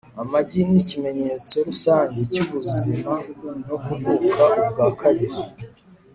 amagi nikimenyetso rusange cyubuzima no kuvuka ubwa kabiri